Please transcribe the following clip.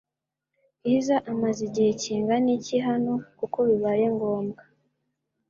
Bwiza amaze igihe kingana iki hano kuko bibaye ngombwa